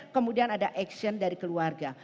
kemudian ada action dari keluarga